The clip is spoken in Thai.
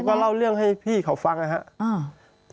ก็เล่าเรื่องให้พี่เขาฟังนะครับ